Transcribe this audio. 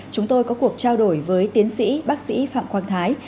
chúng tôi có cuộc trao đổi với tiến sĩ bác sĩ phạm quang thái